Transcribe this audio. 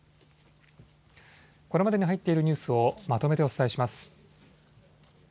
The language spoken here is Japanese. これまでに入っているニュースをまとめてお伝えします。